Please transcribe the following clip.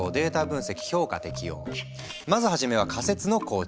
まず初めは仮説の構築。